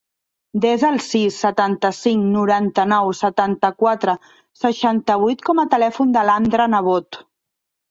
Desa el sis, setanta-cinc, noranta-nou, setanta-quatre, seixanta-vuit com a telèfon de l'Andra Nebot.